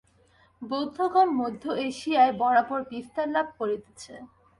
বৌদ্ধগণ মধ্য-এশিয়ায় বরাবর বিস্তারলাভ করিতেছে।